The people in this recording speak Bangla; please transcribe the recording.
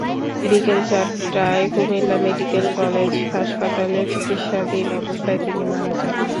বিকেল চারটায় কুমিল্লা মেডিকেল কলেজ হাসপাতালে চিকিৎসাধীন অবস্থায় তিনি মারা যান।